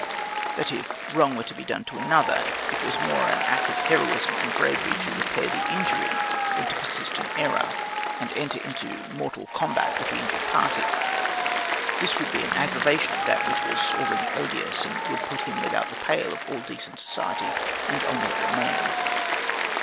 That if wrong be done to another, it was more an act of heroism and bravery to repair the injury, than to persist in error, and enter into mortal combat with the injured party. This would be an aggravation of that which was already odious, and would put him without the pale of all decent society and honorable men.